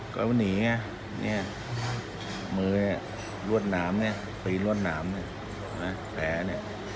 ก็มีว่านี่มือรวดน้ำเนี่ยถรีรวดน้ำแผน